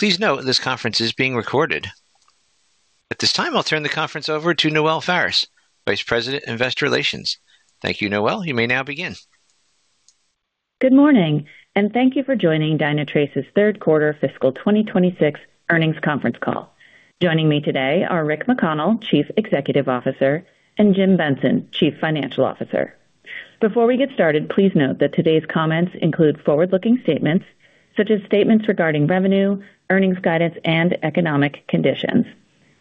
Please note this conference is being recorded. At this time I'll turn the conference over to Noelle Faris, Vice President, Investor Relations. Thank you, Noelle, you may now begin. Good morning, and thank you for joining Dynatrace's third quarter fiscal 2026 earnings conference call. Joining me today are Rick McConnell, Chief Executive Officer, and Jim Benson, Chief Financial Officer. Before we get started, please note that today's comments include forward-looking statements such as statements regarding revenue, earnings guidance, and economic conditions.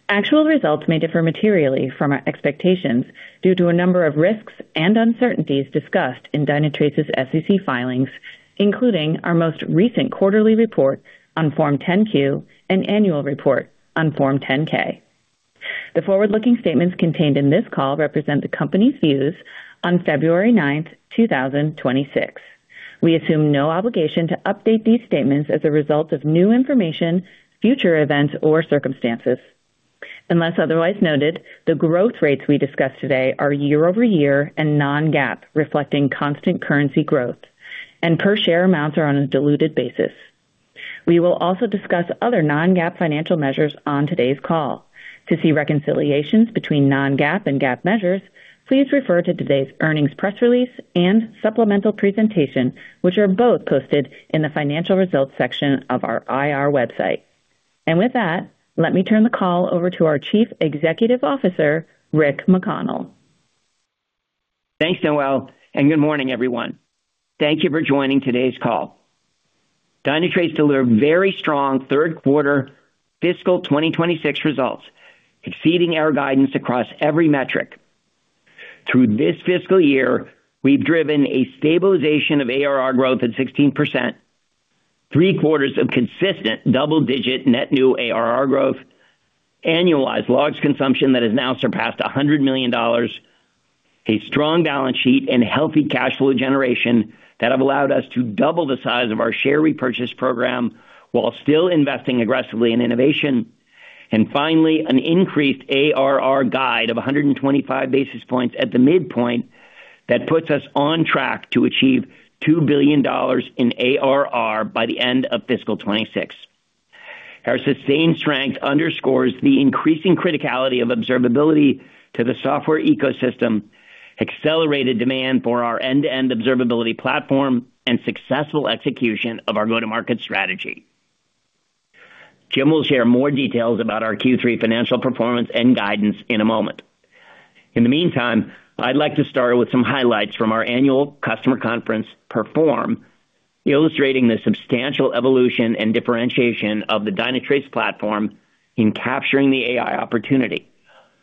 Actual results may differ materially from our expectations due to a number of risks and uncertainties discussed in Dynatrace's SEC filings, including our most recent quarterly report on Form 10-Q and annual report on Form 10-K. The forward-looking statements contained in this call represent the company's views on February 9, 2026. We assume no obligation to update these statements as a result of new information, future events, or circumstances. Unless otherwise noted, the growth rates we discuss today are year-over-year and non-GAAP, reflecting constant currency growth, and per-share amounts are on a diluted basis. We will also discuss other non-GAAP financial measures on today's call. To see reconciliations between non-GAAP and GAAP measures, please refer to today's earnings press release and supplemental presentation, which are both posted in the financial results section of our IR website. With that, let me turn the call over to our Chief Executive Officer, Rick McConnell. Thanks, Noelle, and good morning, everyone. Thank you for joining today's call. Dynatrace delivered very strong third quarter fiscal 2026 results, exceeding our guidance across every metric. Through this fiscal year, we've driven a stabilization of ARR growth at 16%, three quarters of consistent double-digit net new ARR growth, annualized logs consumption that has now surpassed $100 million, a strong balance sheet, and healthy cash flow generation that have allowed us to double the size of our share repurchase program while still investing aggressively in innovation, and finally, an increased ARR guide of 125 basis points at the midpoint that puts us on track to achieve $2 billion in ARR by the end of fiscal 2026. Our sustained strength underscores the increasing criticality of observability to the software ecosystem, accelerated demand for our end-to-end observability platform, and successful execution of our go-to-market strategy. Jim will share more details about our Q3 financial performance and guidance in a moment. In the meantime, I'd like to start with some highlights from our annual customer conference, Perform, illustrating the substantial evolution and differentiation of the Dynatrace platform in capturing the AI opportunity,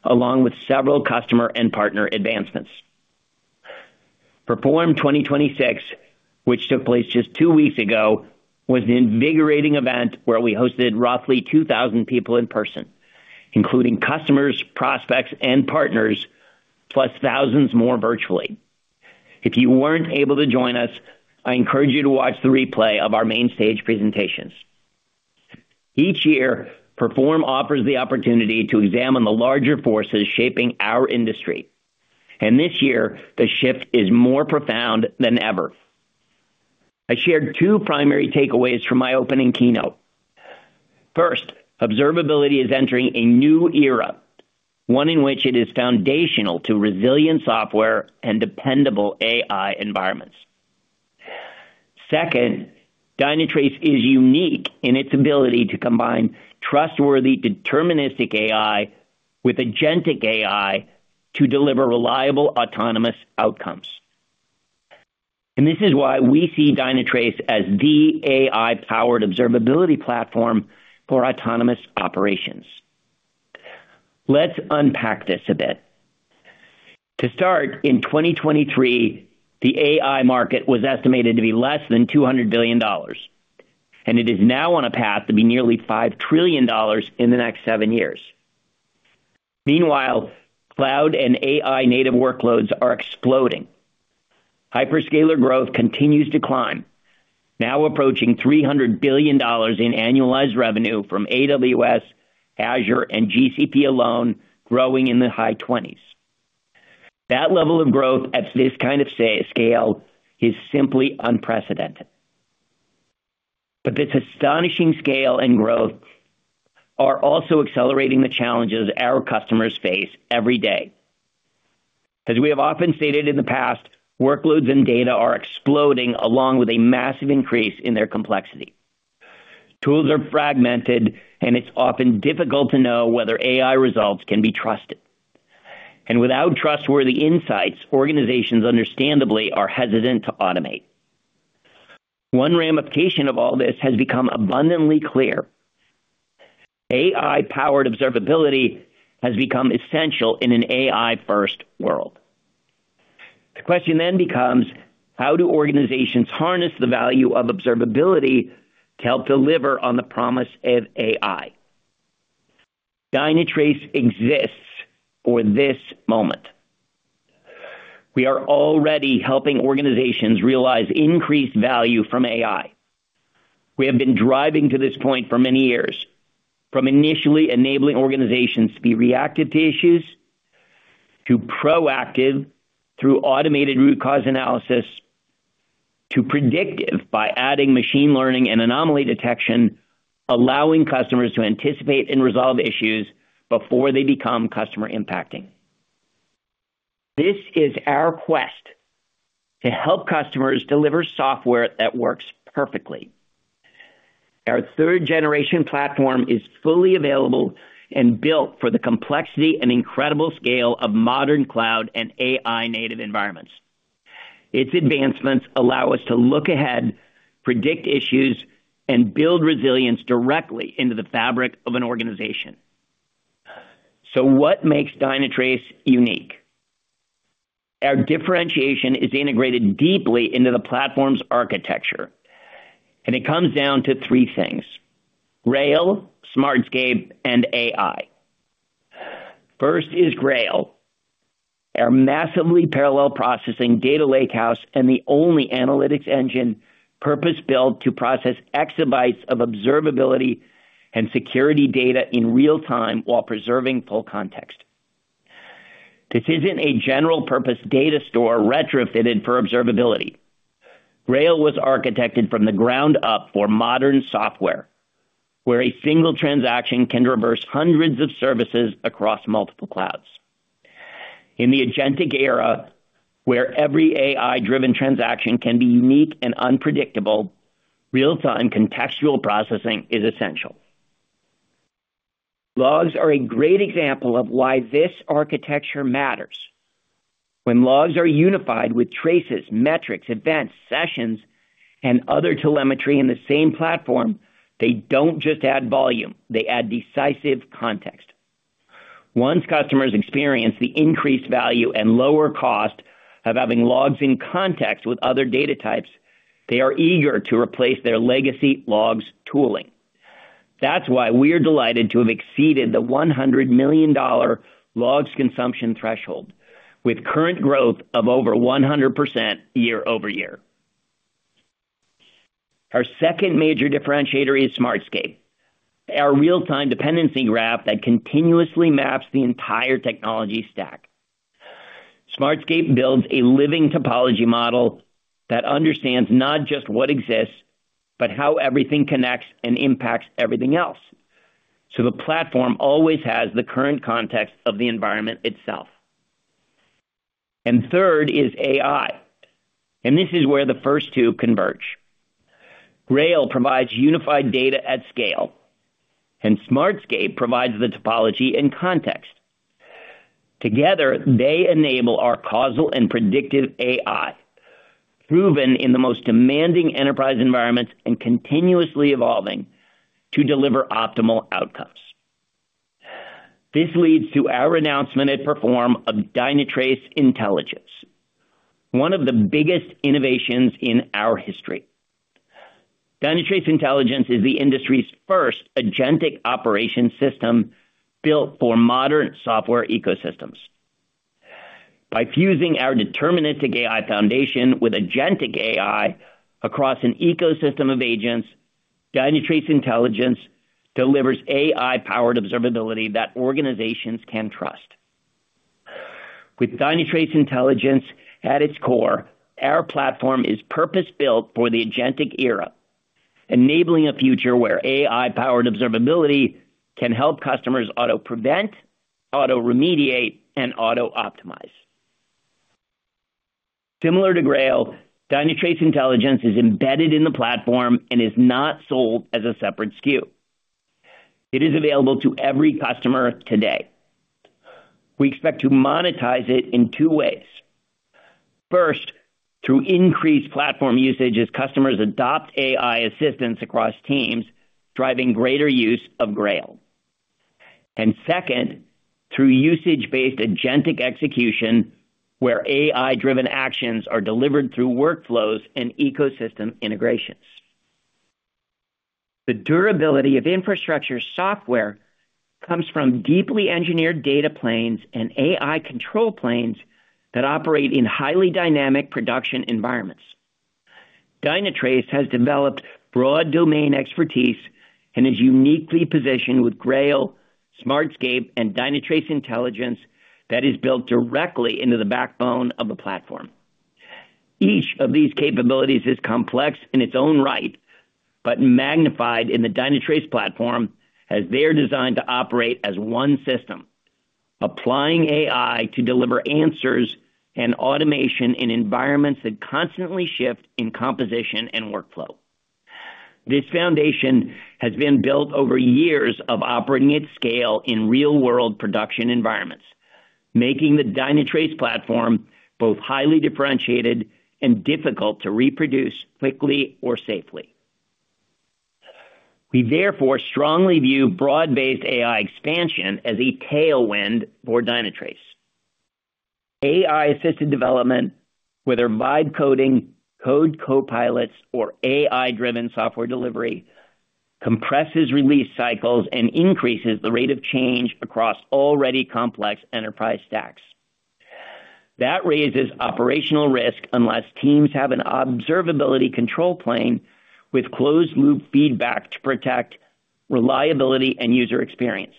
along with several customer and partner advancements. Perform 2026, which took place just two weeks ago, was an invigorating event where we hosted roughly 2,000 people in person, including customers, prospects, and partners, plus thousands more virtually. If you weren't able to join us, I encourage you to watch the replay of our main stage presentations. Each year, Perform offers the opportunity to examine the larger forces shaping our industry, and this year the shift is more profound than ever. I shared two primary takeaways from my opening keynote. First, observability is entering a new era, one in which it is foundational to resilient software and dependable AI environments. Second, Dynatrace is unique in its ability to combine trustworthy, deterministic AI with agentic AI to deliver reliable, autonomous outcomes. And this is why we see Dynatrace as the AI-powered observability platform for autonomous operations. Let's unpack this a bit. To start, in 2023, the AI market was estimated to be less than $200 billion, and it is now on a path to be nearly $5 trillion in the next seven years. Meanwhile, cloud and AI-native workloads are exploding. Hyperscaler growth continues to climb, now approaching $300 billion in annualized revenue from AWS, Azure, and GCP alone, growing in the high 20s. That level of growth at this kind of scale is simply unprecedented. But this astonishing scale and growth are also accelerating the challenges our customers face every day. As we have often stated in the past, workloads and data are exploding along with a massive increase in their complexity. Tools are fragmented, and it's often difficult to know whether AI results can be trusted. Without trustworthy insights, organizations understandably are hesitant to automate. One ramification of all this has become abundantly clear: AI-powered observability has become essential in an AI-first world. The question then becomes: how do organizations harness the value of observability to help deliver on the promise of AI? Dynatrace exists for this moment. We are already helping organizations realize increased value from AI. We have been driving to this point for many years, from initially enabling organizations to be reactive to issues, to proactive through automated root cause analysis, to predictive by adding machine learning and anomaly detection, allowing customers to anticipate and resolve issues before they become customer-impacting. This is our quest: to help customers deliver software that works perfectly. Our third-generation platform is fully available and built for the complexity and incredible scale of modern cloud and AI-native environments. Its advancements allow us to look ahead, predict issues, and build resilience directly into the fabric of an organization. So what makes Dynatrace unique? Our differentiation is integrated deeply into the platform's architecture, and it comes down to three things: Grail, Smartscape, and AI. First is Grail, our massively parallel processing data lakehouse and the only analytics engine purpose-built to process exabytes of observability and security data in real time while preserving full context. This isn't a general-purpose data store retrofitted for observability. Grail was architected from the ground up for modern software, where a single transaction can traverse hundreds of services across multiple clouds. In the agentic era, where every AI-driven transaction can be unique and unpredictable, real-time contextual processing is essential. Logs are a great example of why this architecture matters. When logs are unified with traces, metrics, events, sessions, and other telemetry in the same platform, they don't just add volume. They add decisive context. Once customers experience the increased value and lower cost of having logs in context with other data types, they are eager to replace their legacy logs tooling. That's why we are delighted to have exceeded the $100 million logs consumption threshold, with current growth of over 100% year-over-year. Our second major differentiator is Smartscape, our real-time dependency graph that continuously maps the entire technology stack. Smartscape builds a living topology model that understands not just what exists, but how everything connects and impacts everything else, so the platform always has the current context of the environment itself. And third is AI, and this is where the first two converge. Grail provides unified data at scale, and Smartscape provides the topology and context. Together, they enable our causal and predictive AI, proven in the most demanding enterprise environments and continuously evolving to deliver optimal outcomes. This leads to our announcement at Perform of Dynatrace Intelligence, one of the biggest innovations in our history. Dynatrace Intelligence is the industry's first agentic operations system built for modern software ecosystems. By fusing our deterministic AI foundation with agentic AI across an ecosystem of agents, Dynatrace Intelligence delivers AI-powered observability that organizations can trust. With Dynatrace Intelligence at its core, our platform is purpose-built for the agentic era, enabling a future where AI-powered observability can help customers auto-prevent, auto-remediate, and auto-optimize. Similar to Grail, Dynatrace Intelligence is embedded in the platform and is not sold as a separate SKU. It is available to every customer today. We expect to monetize it in two ways. First, through increased platform usage as customers adopt AI assistance across teams, driving greater use of Grail. And second, through usage-based agentic execution where AI-driven actions are delivered through workflows and ecosystem integrations. The durability of infrastructure software comes from deeply engineered data planes and AI control planes that operate in highly dynamic production environments. Dynatrace has developed broad domain expertise and is uniquely positioned with Grail, Smartscape, and Dynatrace Intelligence that is built directly into the backbone of the platform. Each of these capabilities is complex in its own right, but magnified in the Dynatrace platform as they are designed to operate as one system, applying AI to deliver answers and automation in environments that constantly shift in composition and workflow. This foundation has been built over years of operating at scale in real-world production environments, making the Dynatrace platform both highly differentiated and difficult to reproduce quickly or safely. We therefore strongly view broad-based AI expansion as a tailwind for Dynatrace. AI-assisted development, whether by coding, code copilots, or AI-driven software delivery, compresses release cycles and increases the rate of change across already complex enterprise stacks. That raises operational risk unless teams have an observability control plane with closed-loop feedback to protect reliability and user experience.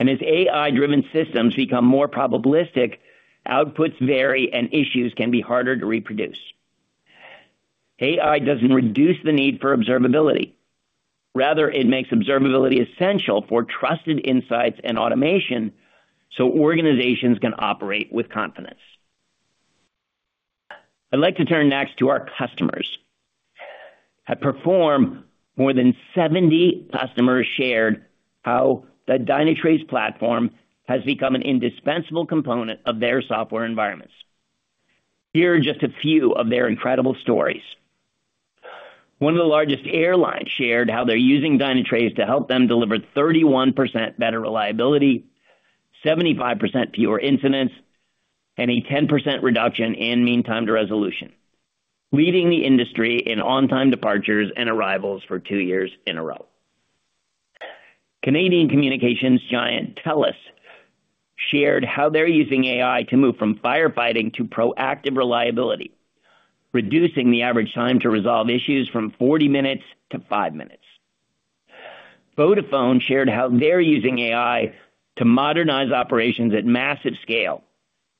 And as AI-driven systems become more probabilistic, outputs vary and issues can be harder to reproduce. AI doesn't reduce the need for observability. Rather, it makes observability essential for trusted insights and automation so organizations can operate with confidence. I'd like to turn next to our customers. At Perform, more than 70 customers shared how the Dynatrace platform has become an indispensable component of their software environments. Here are just a few of their incredible stories. One of the largest airlines shared how they're using Dynatrace to help them deliver 31% better reliability, 75% fewer incidents, and a 10% reduction in mean time to resolution, leading the industry in on-time departures and arrivals for two years in a row. Canadian communications giant TELUS shared how they're using AI to move from firefighting to proactive reliability, reducing the average time to resolve issues from 40 minutes to 5 minutes. Vodafone shared how they're using AI to modernize operations at massive scale,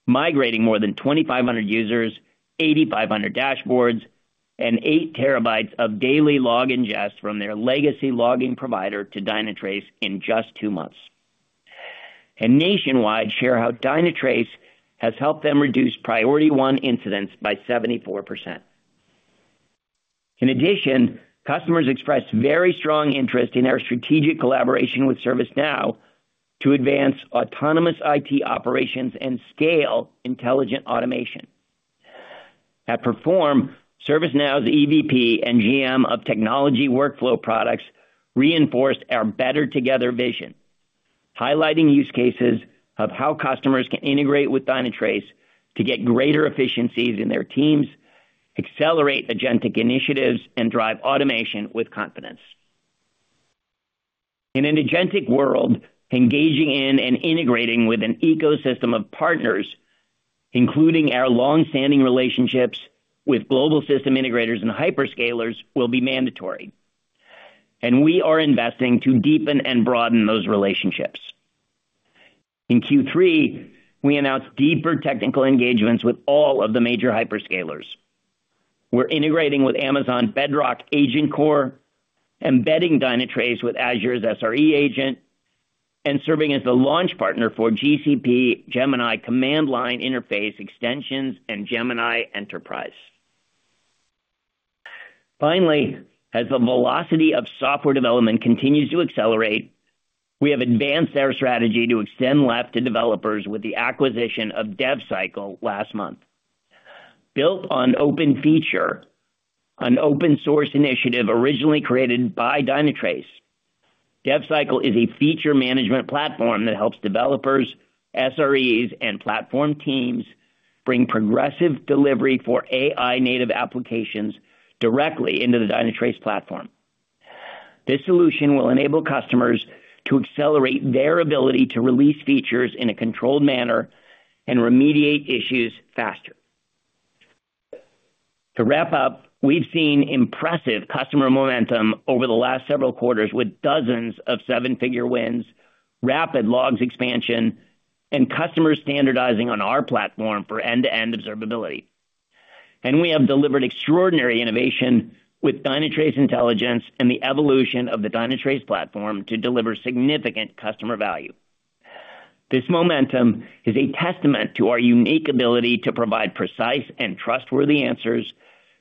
migrating more than 2,500 users, 8,500 dashboards, and 8 TB of daily log ingest from their legacy logging provider to Dynatrace in just two months. Nationwide shares how Dynatrace has helped them reduce priority one incidents by 74%. In addition, customers expressed very strong interest in our strategic collaboration with ServiceNow to advance autonomous IT operations and scale intelligent automation. At Perform, ServiceNow's EVP and GM of technology workflow products reinforced our better-together vision, highlighting use cases of how customers can integrate with Dynatrace to get greater efficiencies in their teams, accelerate agentic initiatives, and drive automation with confidence. In an agentic world, engaging in and integrating with an ecosystem of partners, including our longstanding relationships with global system integrators and hyperscalers, will be mandatory. We are investing to deepen and broaden those relationships. In Q3, we announced deeper technical engagements with all of the major hyperscalers. We're integrating with Amazon Bedrock Agent Core, embedding Dynatrace with Azure's SRE agent, and serving as the launch partner for GCP Gemini command line interface extensions and Gemini Enterprise. Finally, as the velocity of software development continues to accelerate, we have advanced our strategy to extend left to developers with the acquisition of DevCycle last month. Built on OpenFeature, an open-source initiative originally created by Dynatrace, DevCycle is a feature management platform that helps developers, SREs, and platform teams bring progressive delivery for AI-native applications directly into the Dynatrace platform. This solution will enable customers to accelerate their ability to release features in a controlled manner and remediate issues faster. To wrap up, we've seen impressive customer momentum over the last several quarters with dozens of seven-figure wins, rapid logs expansion, and customers standardizing on our platform for end-to-end observability. We have delivered extraordinary innovation with Dynatrace Intelligence and the evolution of the Dynatrace platform to deliver significant customer value. This momentum is a testament to our unique ability to provide precise and trustworthy answers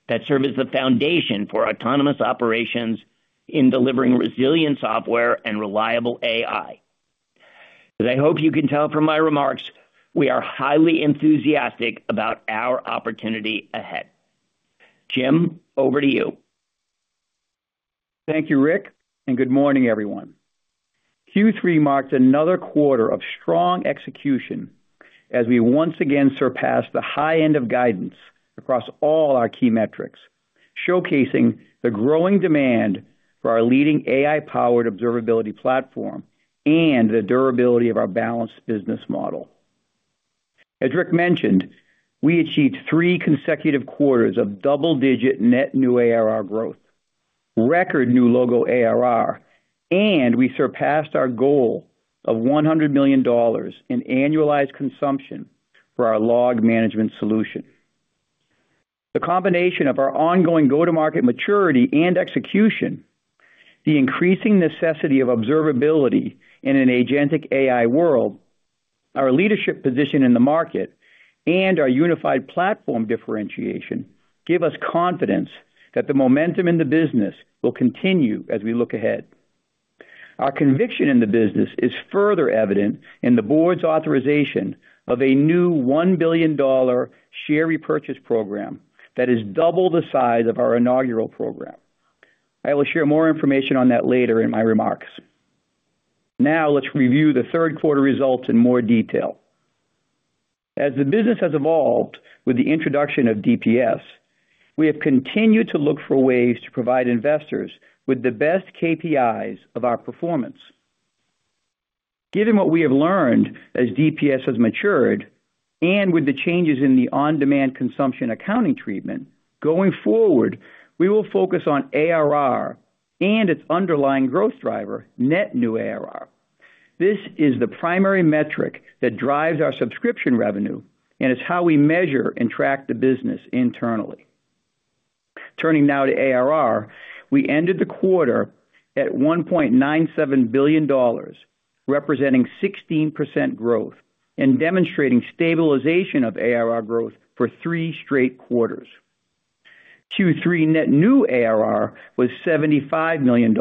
that serve as the foundation for autonomous operations in delivering resilient software and reliable AI. As I hope you can tell from my remarks, we are highly enthusiastic about our opportunity ahead. Jim, over to you. Thank you, Rick, and good morning, everyone. Q3 marks another quarter of strong execution as we once again surpassed the high end of guidance across all our key metrics, showcasing the growing demand for our leading AI-powered observability platform and the durability of our balanced business model. As Rick mentioned, we achieved three consecutive quarters of double-digit net new ARR growth, record new logo ARR, and we surpassed our goal of $100 million in annualized consumption for our log management solution. The combination of our ongoing go-to-market maturity and execution, the increasing necessity of observability in an agentic AI world, our leadership position in the market, and our unified platform differentiation give us confidence that the momentum in the business will continue as we look ahead. Our conviction in the business is further evident in the board's authorization of a new $1 billion share repurchase program that is double the size of our inaugural program. I will share more information on that later in my remarks. Now let's review the third quarter results in more detail. As the business has evolved with the introduction of DPS, we have continued to look for ways to provide investors with the best KPIs of our performance. Given what we have learned as DPS has matured and with the changes in the on-demand consumption accounting treatment, going forward, we will focus on ARR and its underlying growth driver, net new ARR. This is the primary metric that drives our subscription revenue and is how we measure and track the business internally. Turning now to ARR, we ended the quarter at $1.97 billion, representing 16% growth and demonstrating stabilization of ARR growth for three straight quarters. Q3 net new ARR was $75 million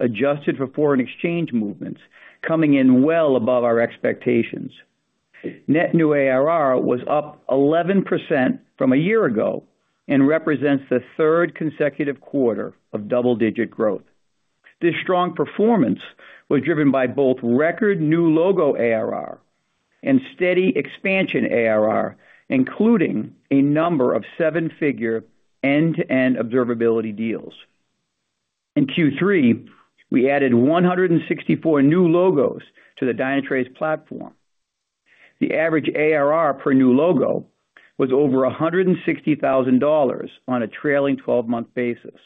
adjusted for foreign exchange movements, coming in well above our expectations. Net new ARR was up 11% from a year ago and represents the third consecutive quarter of double-digit growth. This strong performance was driven by both record new logo ARR and steady expansion ARR, including a number of seven-figure end-to-end observability deals. In Q3, we added 164 new logos to the Dynatrace platform. The average ARR per new logo was over $160,000 on a trailing 12-month basis.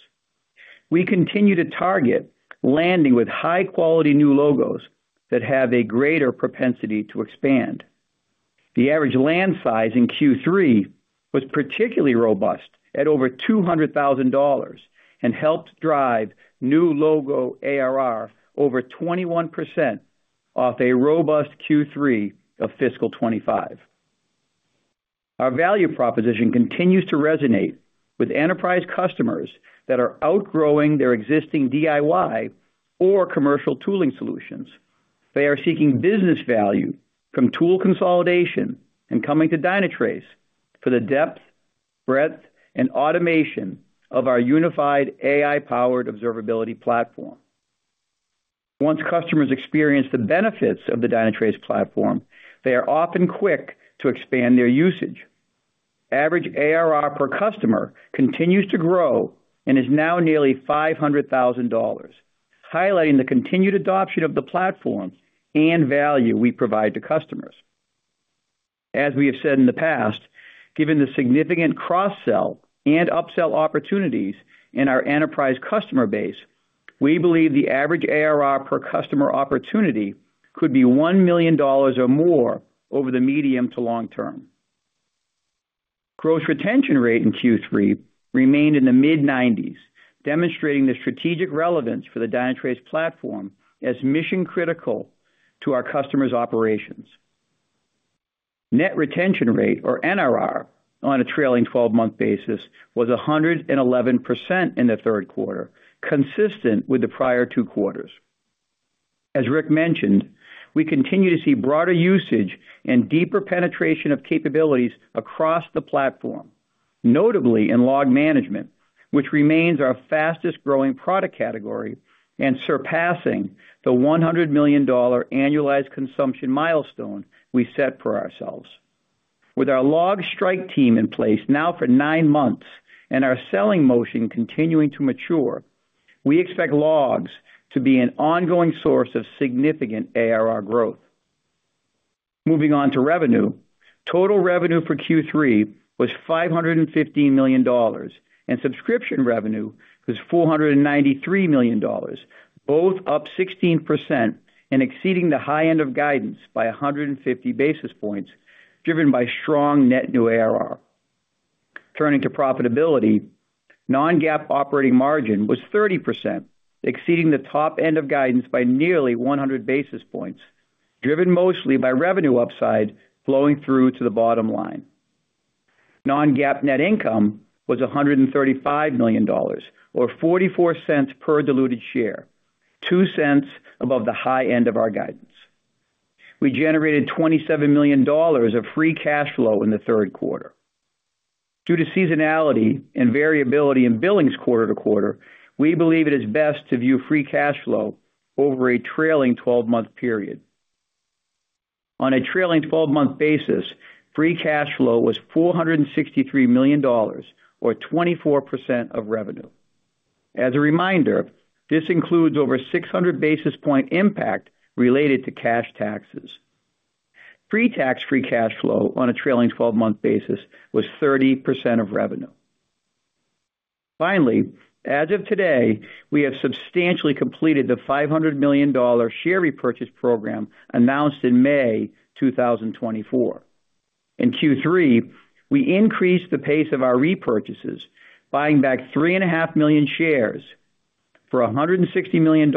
We continue to target landing with high-quality new logos that have a greater propensity to expand. The average land size in Q3 was particularly robust at over $200,000 and helped drive new logo ARR over 21% off a robust Q3 of fiscal 2025. Our value proposition continues to resonate with enterprise customers that are outgrowing their existing DIY or commercial tooling solutions. They are seeking business value from tool consolidation and coming to Dynatrace for the depth, breadth, and automation of our unified AI-powered observability platform. Once customers experience the benefits of the Dynatrace platform, they are often quick to expand their usage. Average ARR per customer continues to grow and is now nearly $500,000, highlighting the continued adoption of the platform and value we provide to customers. As we have said in the past, given the significant cross-sell and upsell opportunities in our enterprise customer base, we believe the average ARR per customer opportunity could be $1 million or more over the medium to long term. Gross retention rate in Q3 remained in the mid-90s, demonstrating the strategic relevance for the Dynatrace platform as mission-critical to our customers' operations. Net retention rate, or NRR, on a trailing 12-month basis was 111% in the third quarter, consistent with the prior two quarters. As Rick mentioned, we continue to see broader usage and deeper penetration of capabilities across the platform, notably in log management, which remains our fastest-growing product category and surpassing the $100 million annualized consumption milestone we set for ourselves. With our log strike team in place now for nine months and our selling motion continuing to mature, we expect logs to be an ongoing source of significant ARR growth. Moving on to revenue, total revenue for Q3 was $515 million and subscription revenue was $493 million, both up 16% and exceeding the high end of guidance by 150 basis points, driven by strong net new ARR. Turning to profitability, Non-GAAP operating margin was 30%, exceeding the top end of guidance by nearly 100 basis points, driven mostly by revenue upside flowing through to the bottom line. Non-GAAP net income was $135 million or $0.44 per diluted share, $0.02 above the high end of our guidance. We generated $27 million of free cash flow in the third quarter. Due to seasonality and variability in billings quarter to quarter, we believe it is best to view free cash flow over a trailing 12-month period. On a trailing 12-month basis, free cash flow was $463 million or 24% of revenue. As a reminder, this includes over 600 basis points impact related to cash taxes. Pre-tax free cash flow on a trailing 12-month basis was 30% of revenue. Finally, as of today, we have substantially completed the $500 million share repurchase program announced in May 2024. In Q3, we increased the pace of our repurchases, buying back 3.5 million shares for $160 million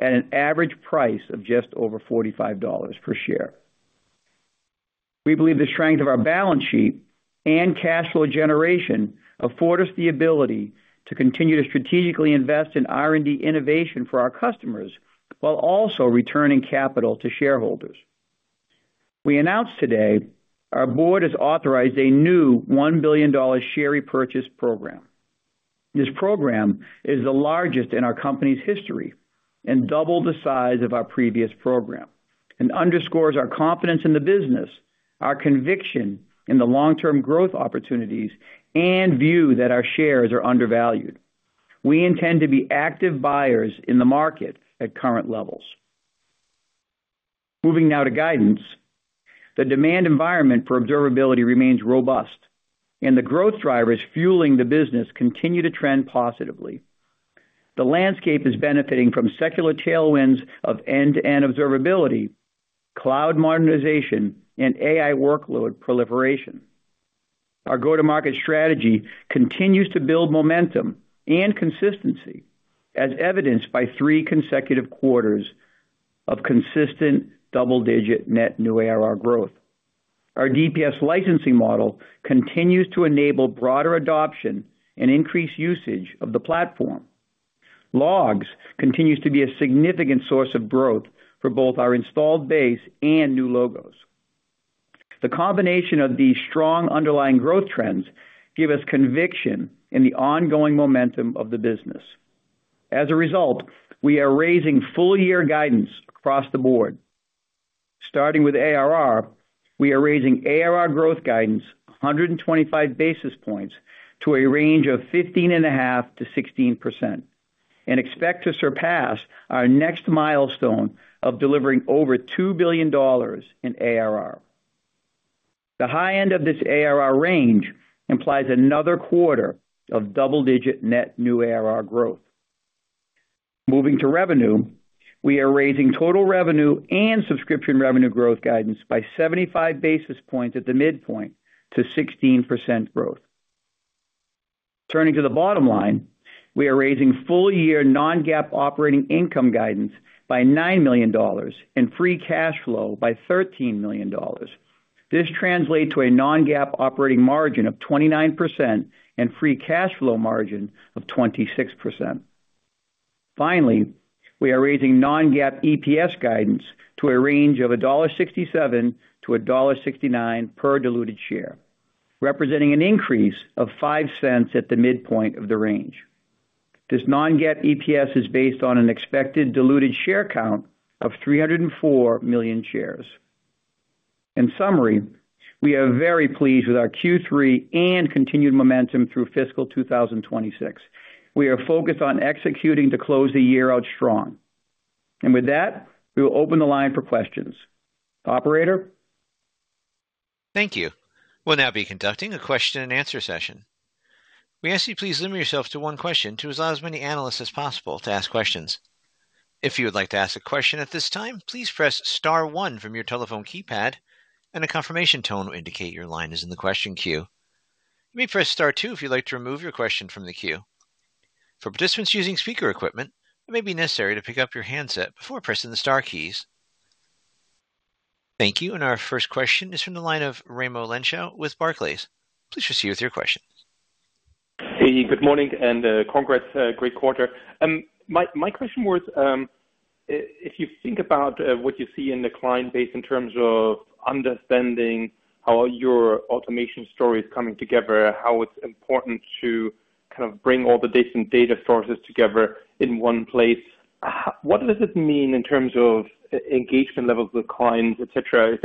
at an average price of just over $45 per share. We believe the strength of our balance sheet and cash flow generation afford us the ability to continue to strategically invest in R&D innovation for our customers while also returning capital to shareholders. We announced today our board has authorized a new $1 billion share repurchase program. This program is the largest in our company's history and doubled the size of our previous program and underscores our confidence in the business, our conviction in the long-term growth opportunities, and view that our shares are undervalued. We intend to be active buyers in the market at current levels. Moving now to guidance, the demand environment for observability remains robust, and the growth drivers fueling the business continue to trend positively. The landscape is benefiting from secular tailwinds of end-to-end observability, cloud modernization, and AI workload proliferation. Our go-to-market strategy continues to build momentum and consistency, as evidenced by three consecutive quarters of consistent double-digit net new ARR growth. Our DPS licensing model continues to enable broader adoption and increased usage of the platform. Logs continue to be a significant source of growth for both our installed base and new logos. The combination of these strong underlying growth trends gives us conviction in the ongoing momentum of the business. As a result, we are raising full-year guidance across the board. Starting with ARR, we are raising ARR growth guidance 125 basis points to a range of 15.5%-16% and expect to surpass our next milestone of delivering over $2 billion in ARR. The high end of this ARR range implies another quarter of double-digit net new ARR growth. Moving to revenue, we are raising total revenue and subscription revenue growth guidance by 75 basis points at the midpoint to 16% growth. Turning to the bottom line, we are raising full-year non-GAAP operating income guidance by $9 million and free cash flow by $13 million. This translates to a non-GAAP operating margin of 29% and free cash flow margin of 26%. Finally, we are raising non-GAAP EPS guidance to a range of $1.67-$1.69 per diluted share, representing an increase of five cents at the midpoint of the range. This non-GAAP EPS is based on an expected diluted share count of 304 million shares. In summary, we are very pleased with our Q3 and continued momentum through fiscal 2026. We are focused on executing to close the year out strong. And with that, we will open the line for questions. Operator. Thank you. We'll now be conducting a question-and-answer session. We ask that you please limit yourself to one question to ask as many analysts as possible to ask questions. If you would like to ask a question at this time, please press star one from your telephone keypad and a confirmation tone will indicate your line is in the question queue. You may press star two if you'd like to remove your question from the queue. For participants using speaker equipment, it may be necessary to pick up your handset before pressing the star keys. Thank you. And our first question is from the line of Raimo Lenschow with Barclays. Please proceed with your question. Hey, good morning. And congrats, great quarter. My question was, if you think about what you see in the client base in terms of understanding how your automation story is coming together, how it's important to kind of bring all the different data sources together in one place, what does it mean in terms of engagement levels with clients, etc.?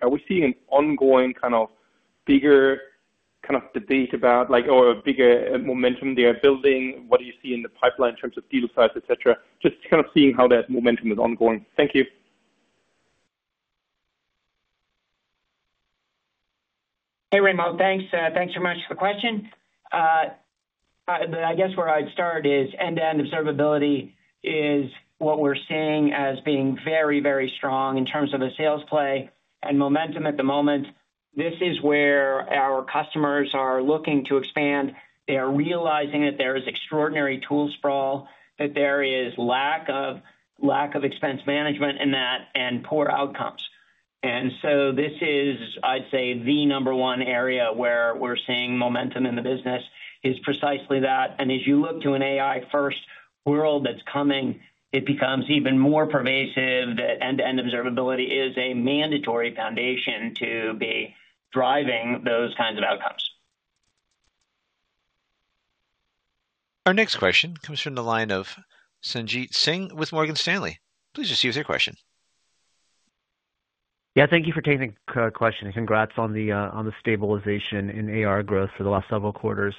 Are we seeing an ongoing kind of bigger kind of debate about or a bigger momentum they are building? What do you see in the pipeline in terms of deal size, etc.? Just kind of seeing how that momentum is ongoing. Thank you. Hey, Raimo. Thanks so much for the question. I guess where I'd start is end-to-end observability is what we're seeing as being very, very strong in terms of the sales play and momentum at the moment. This is where our customers are looking to expand. They are realizing that there is extraordinary tool sprawl, that there is lack of expense management in that, and poor outcomes. And so this is, I'd say, the number one area where we're seeing momentum in the business is precisely that. And as you look to an AI-first world that's coming, it becomes even more pervasive that end-to-end observability is a mandatory foundation to be driving those kinds of outcomes. Our next question comes from the line of Sanjit Singh with Morgan Stanley. Please proceed with your question. Yeah, thank you for taking the question. And congrats on the stabilization in ARR growth for the last several quarters.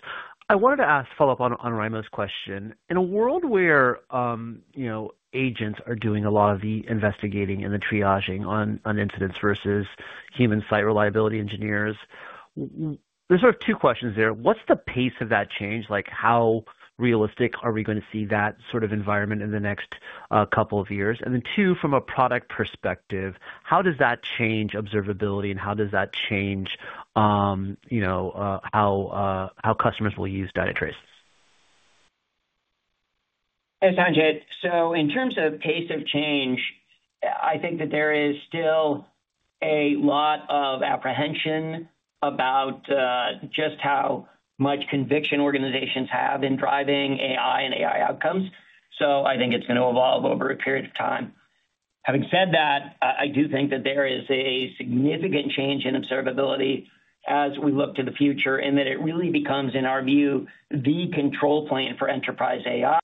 I wanted to ask follow-up on Raimo's question. In a world where agents are doing a lot of the investigating and the triaging on incidents versus human site reliability engineers, there's sort of two questions there. What's the pace of that change? How realistic are we going to see that sort of environment in the next couple of years? And then two, from a product perspective, how does that change observability, and how does that change how customers will use Dynatrace? Hey, Sanjit. So in terms of pace of change, I think that there is still a lot of apprehension about just how much conviction organizations have in driving AI and AI outcomes. So I think it's going to evolve over a period of time. Having said that, I do think that there is a significant change in observability as we look to the future and that it really becomes, in our view, the control plane for enterprise AI.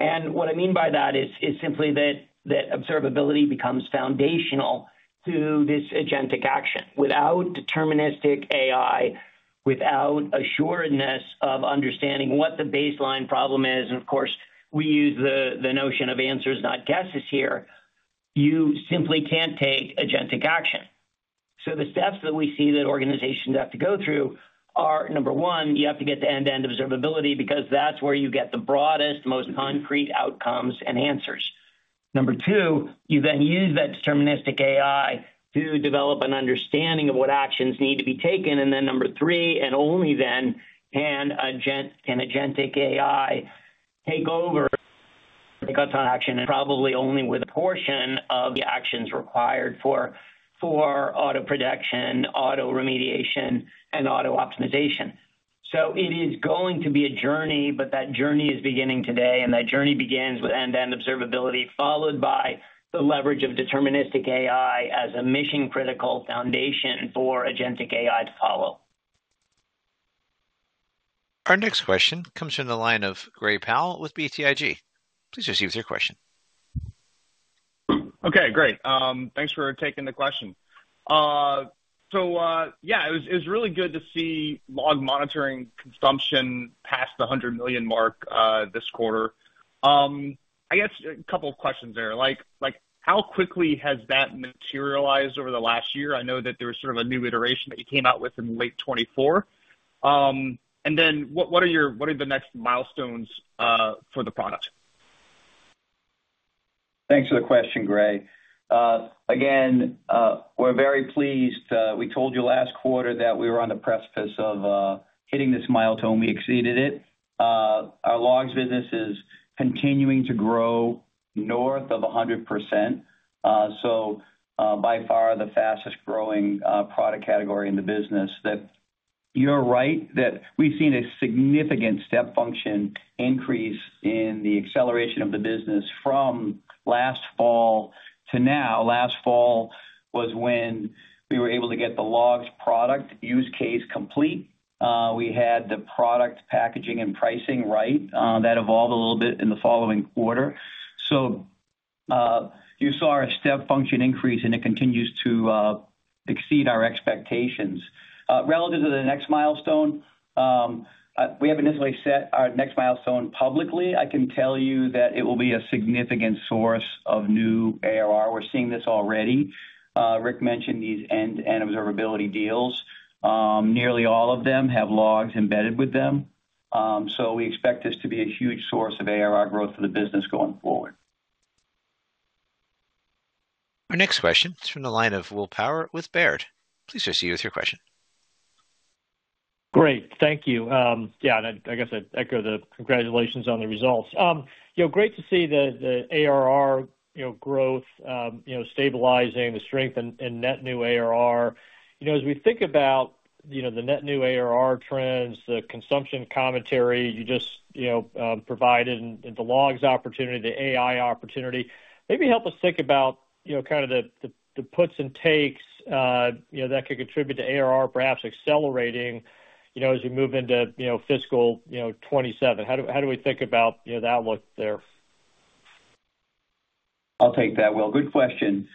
And what I mean by that is simply that observability becomes foundational to this agentic action. Without deterministic AI, without assuredness of understanding what the baseline problem is and of course, we use the notion of answers, not guesses here, you simply can't take agentic action. So the steps that we see that organizations have to go through are, number one, you have to get the end-to-end observability because that's where you get the broadest, most concrete outcomes and answers. Number two, you then use that deterministic AI to develop an understanding of what actions need to be taken. And then number three, and only then can agentic AI take over, take autonomous action, and probably only with a portion of the actions required for autoproduction, autoremediation, and autooptimization. So it is going to be a journey, but that journey is beginning today. And that journey begins with end-to-end observability, followed by the leverage of deterministic AI as a mission-critical foundation for agentic AI to follow. Our next question comes from the line of Gray Powell with BTIG. Please proceed with your question. Okay, great. Thanks for taking the question. So yeah, it was really good to see log monitoring consumption past the $100 million mark this quarter. I guess a couple of questions there. How quickly has that materialized over the last year? I know that there was sort of a new iteration that you came out with in late 2024. And then what are the next milestones for the product? Thanks for the question, Gray. Again, we're very pleased. We told you last quarter that we were on the precipice of hitting this milestone. We exceeded it. Our logs business is continuing to grow north of 100%, so by far the fastest growing product category in the business. You're right that we've seen a significant step function increase in the acceleration of the business from last fall to now. Last fall was when we were able to get the logs product use case complete. We had the product packaging and pricing right. That evolved a little bit in the following quarter. So you saw our step function increase, and it continues to exceed our expectations. Relative to the next milestone, we haven't necessarily set our next milestone publicly. I can tell you that it will be a significant source of new ARR. We're seeing this already. Rick mentioned these end-to-end observability deals. Nearly all of them have logs embedded with them. So we expect this to be a huge source of ARR growth for the business going forward. Our next question is from the line of Will Power with Baird. Please proceed with your question. Great. Thank you. Yeah, and I guess I'd echo the congratulations on the results. Great to see the ARR growth stabilizing, the strength in net new ARR. As we think about the net new ARR trends, the consumption commentary you just provided and the logs opportunity, the AI opportunity, maybe help us think about kind of the puts and takes that could contribute to ARR, perhaps accelerating as we move into fiscal 2027. How do we think about that look there? I'll take that, Will. Good question.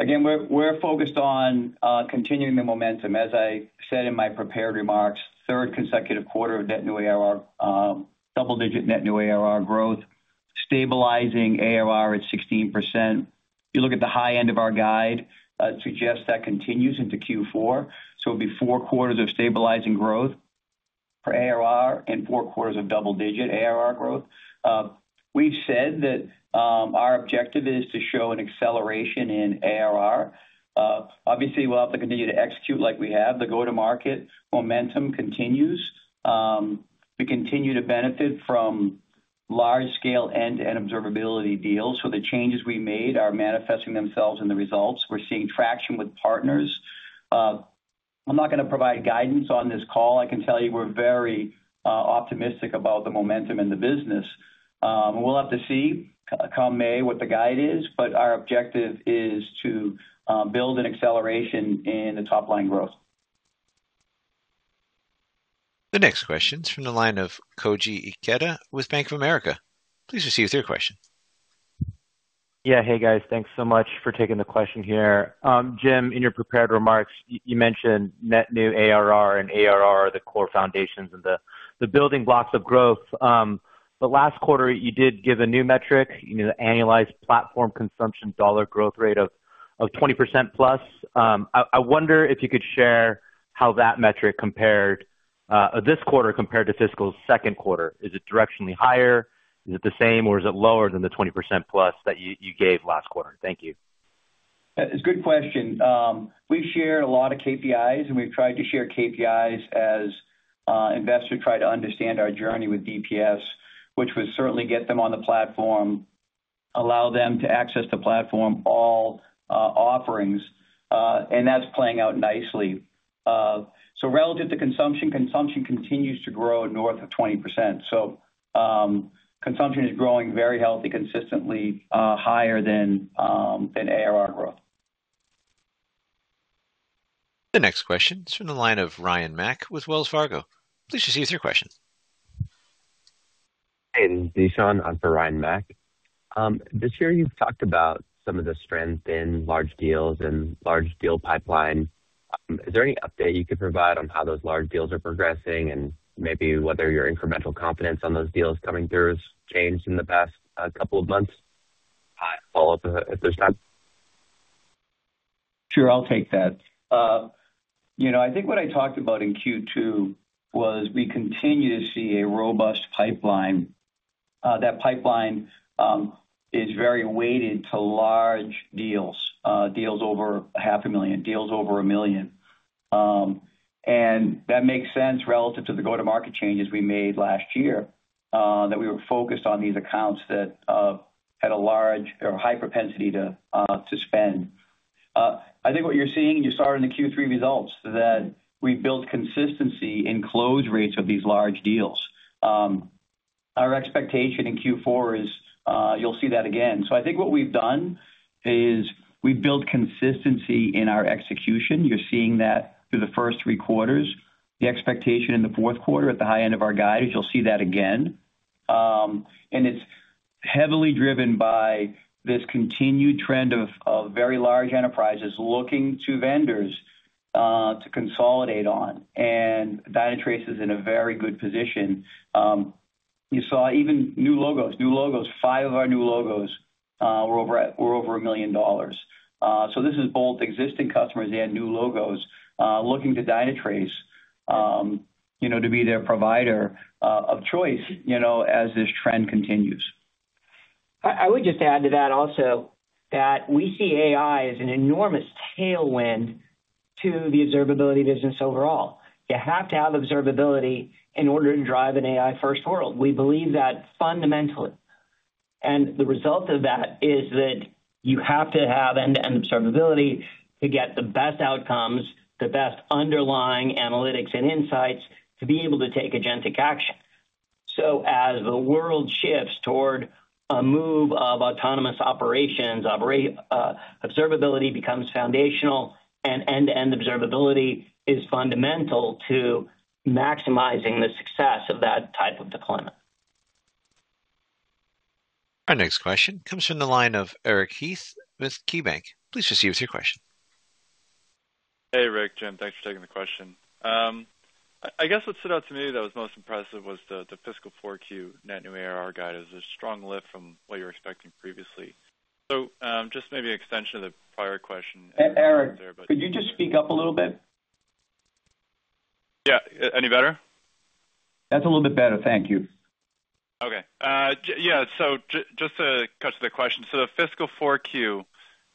Again, we're focused on continuing the momentum. As I said in my prepared remarks, third consecutive quarter of net new ARR, double-digit net new ARR growth, stabilizing ARR at 16%. You look at the high end of our guide, it suggests that continues into Q4. So it'll be four quarters of stabilizing growth for ARR and four quarters of double-digit ARR growth. We've said that our objective is to show an acceleration in ARR. Obviously, we'll have to continue to execute like we have. The go-to-market momentum continues. We continue to benefit from large-scale end-to-end observability deals. So the changes we made are manifesting themselves in the results. We're seeing traction with partners. I'm not going to provide guidance on this call. I can tell you we're very optimistic about the momentum in the business. We'll have to see come May what the guide is. But our objective is to build an acceleration in the top-line growth. The next question is from the line of Koji Ikeda with Bank of America. Please proceed with your question. Yeah, hey, guys. Thanks so much for taking the question here. Jim, in your prepared remarks, you mentioned net new ARR and ARR are the core foundations and the building blocks of growth. But last quarter, you did give a new metric, the annualized platform consumption dollar growth rate of 20% plus. I wonder if you could share how that metric compared this quarter compared to fiscal's second quarter. Is it directionally higher? Is it the same, or is it lower than the 20% plus that you gave last quarter? Thank you. It's a good question. We share a lot of KPIs, and we've tried to share KPIs as investors try to understand our journey with DPS, which would certainly get them on the platform, allow them to access the platform, all offerings. And that's playing out nicely. So relative to consumption, consumption continues to grow north of 20%. So consumption is growing very healthy, consistently higher than ARR growth. The next question is from the line of Ryan MacWilliams with Wells Fargo. Please proceed with your question. Hey, DeShaun. I'm for Ryan MacWilliams. This year, you've talked about some of the strength in large deals and large deal pipeline. Is there any update you could provide on how those large deals are progressing and maybe whether your incremental confidence on those deals coming through has changed in the past couple of months? Follow up if there's time. Sure. I'll take that. I think what I talked about in Q2 was we continue to see a robust pipeline. That pipeline is very weighted to large deals, deals over $500,000, deals over $1 million. And that makes sense relative to the go-to-market changes we made last year, that we were focused on these accounts that had a large or high propensity to spend. I think what you're seeing you saw it in the Q3 results that we built consistency in close rates of these large deals. Our expectation in Q4 is you'll see that again. So I think what we've done is we've built consistency in our execution. You're seeing that through the first 3 quarters. The expectation in the fourth quarter at the high end of our guide is you'll see that again. And it's heavily driven by this continued trend of very large enterprises looking to vendors to consolidate on. And Dynatrace is in a very good position. You saw even new logos. five of our new logos were over $1 million. So this is both existing customers and new logos looking to Dynatrace to be their provider of choice as this trend continues. I would just add to that also that we see AI as an enormous tailwind to the observability business overall. You have to have observability in order to drive an AI-first world. We believe that fundamentally. The result of that is that you have to have end-to-end observability to get the best outcomes, the best underlying analytics and insights to be able to take agentic action. So as the world shifts toward a move of autonomous operations, observability becomes foundational, and end-to-end observability is fundamental to maximizing the success of that type of deployment. Our next question comes from the line of Eric Heath with KeyBanc. Please proceed with your question. Hey, Rick, Jim. Thanks for taking the question. I guess what stood out to me that was most impressive was the fiscal 4Q net new ARR guide. It was a strong lift from what you were expecting previously. So just maybe an extension of the prior question. Eric, could you just speak up a little bit? Yeah. Any better? That's a little bit better. Thank you. Okay. Yeah. Just to cut to the question. The fiscal 4Q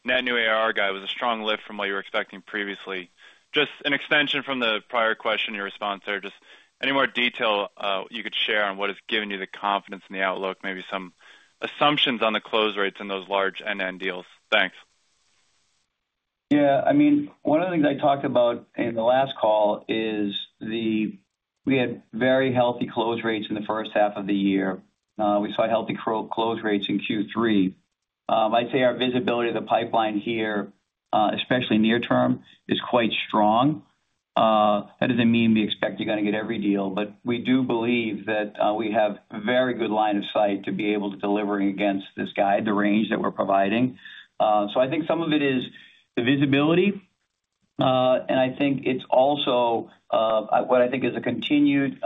net new ARR guide was a strong lift from what you were expecting previously. Just an extension from the prior question, your response there. Just any more detail you could share on what has given you the confidence in the outlook, maybe some assumptions on the close rates in those large end-to-end deals. Thanks. Yeah. I mean, one of the things I talked about in the last call is we had very healthy close rates in the first half of the year. We saw healthy close rates in Q3. I'd say our visibility of the pipeline here, especially near term, is quite strong. That doesn't mean we expect you're going to get every deal. But we do believe that we have a very good line of sight to be able to deliver against this guide, the range that we're providing. So I think some of it is the visibility. And I think it's also what I think is a continued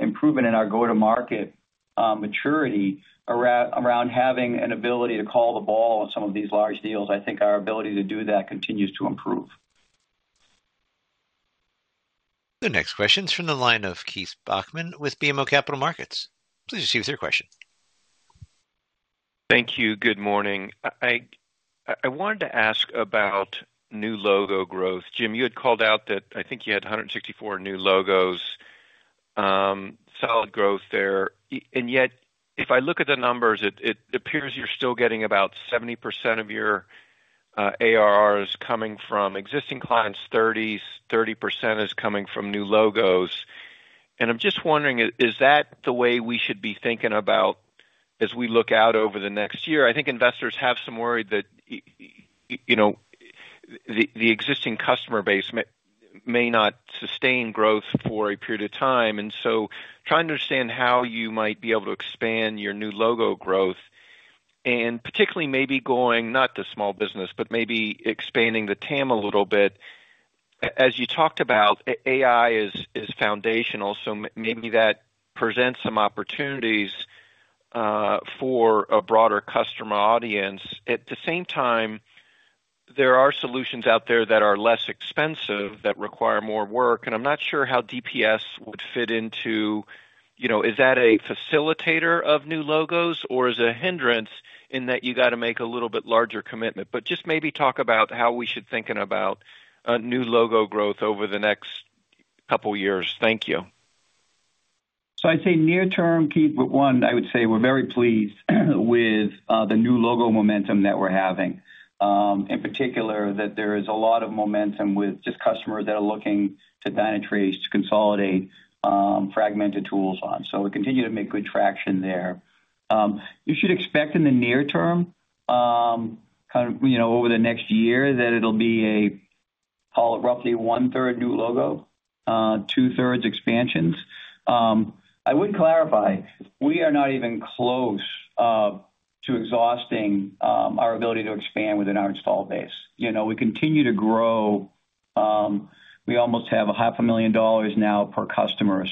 improvement in our go-to-market maturity around having an ability to call the ball on some of these large deals. I think our ability to do that continues to improve. The next question is from the line of Keith Bachmann with BMO Capital Markets. Please proceed with your question. Thank you. Good morning. I wanted to ask about new logo growth. Jim, you had called out that I think you had 164 new logos, solid growth there. And yet, if I look at the numbers, it appears you're still getting about 70% of your ARRs coming from existing clients, 30% is coming from new logos. I'm just wondering, is that the way we should be thinking about as we look out over the next year? I think investors have some worry that the existing customer base may not sustain growth for a period of time. So trying to understand how you might be able to expand your new logo growth and particularly maybe going not to small business, but maybe expanding the TAM a little bit. As you talked about, AI is foundational. So maybe that presents some opportunities for a broader customer audience. At the same time, there are solutions out there that are less expensive, that require more work. I'm not sure how DPS would fit into. Is that a facilitator of new logos, or is it a hindrance in that you got to make a little bit larger commitment? But just maybe talk about how we should be thinking about new logo growth over the next couple of years. Thank you. So I'd say near term, Keith, one, I would say we're very pleased with the new logo momentum that we're having, in particular, that there is a lot of momentum with just customers that are looking to Dynatrace to consolidate fragmented tools on. So we continue to make good traction there. You should expect in the near term, kind of over the next year, that it'll be a, call it, roughly one-third new logo, two-thirds expansions. I would clarify. We are not even close to exhausting our ability to expand within our install base. We continue to grow. We almost have $500,000 now per customer.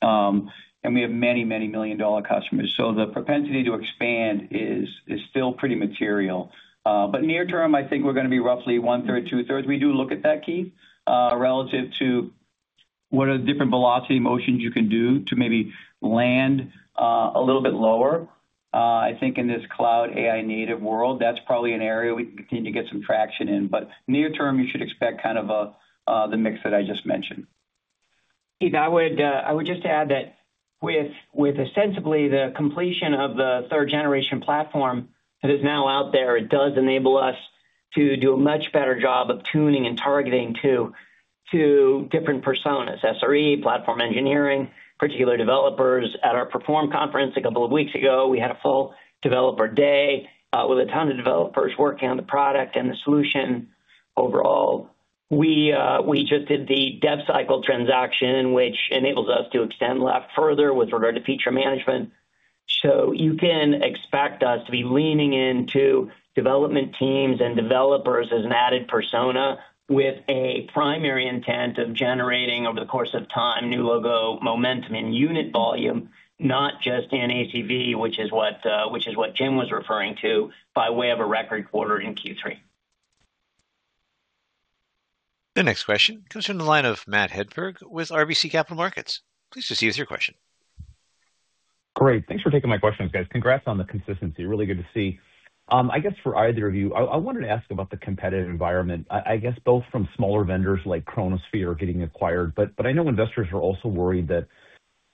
And we have many, many million-dollar customers. So the propensity to expand is still pretty material. But near term, I think we're going to be roughly 1/3, 2/3. We do look at that, Keith, relative to what are the different velocity motions you can do to maybe land a little bit lower. I think in this cloud AI-native world, that's probably an area we can continue to get some traction in. But near term, you should expect kind of the mix that I just mentioned. Keith, I would just add that with, ostensibly, the completion of the third-generation platform that is now out there, it does enable us to do a much better job of tuning and targeting to different personas, SRE, platform engineering, particular developers. At our Perform Conference a couple of weeks ago, we had a full developer day with a ton of developers working on the product and the solution overall. We just did the DevCycle transaction, which enables us to extend left further with regard to feature management. So you can expect us to be leaning into development teams and developers as an added persona with a primary intent of generating, over the course of time, new logo momentum and unit volume, not just in ACV, which is what Jim was referring to, by way of a record quarter in Q3. The next question comes from the line of Matt Hedberg with RBC Capital Markets. Please proceed with your question. Great. Thanks for taking my questions, guys. Congrats on the consistency. Really good to see. I guess for either of you, I wanted to ask about the competitive environment, I guess, both from smaller vendors like Chronosphere getting acquired. But I know investors are also worried that